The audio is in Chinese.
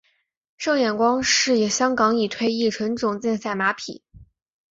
胜眼光是香港已退役纯种竞赛马匹。